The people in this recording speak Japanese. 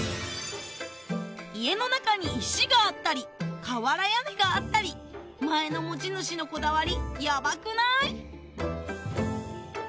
家の中に石があったり瓦屋根があったり前の持ち主のこだわりヤバくない？